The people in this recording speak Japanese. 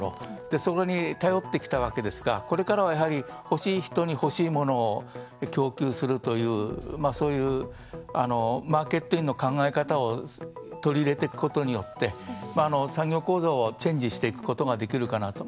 そこに頼ってきたわけですがこれからは、やはりほしい人にほしいものを供給するというそういうマーケットインの考え方を取り入れていくことによって産業構造をチェンジしていくことができるかなと。